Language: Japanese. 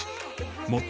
もっと